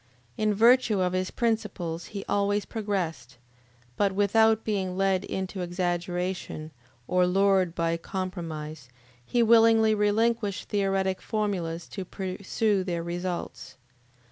In virtue of his principles he always progressed, but without being led into exaggeration or lured by compromise; he willingly relinquished theoretic formulas to pursue their results.